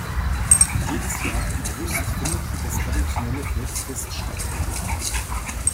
Jedes Jahr im August findet das traditionelle Volksfest statt.